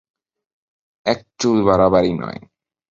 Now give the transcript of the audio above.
এক চুল বাড়াবাড়ি নয়।